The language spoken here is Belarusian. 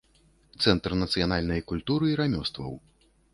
Цэнтр нацыянальнай культуры і рамёстваў.